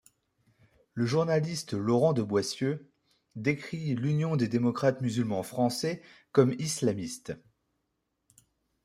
Le journaliste Laurent de Boissieu décrit l'Union des démocrates musulmans français comme islamiste.